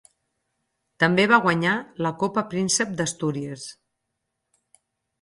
També va guanyar la Copa Príncep d'Astúries.